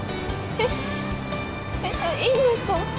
えっえっいいんですか？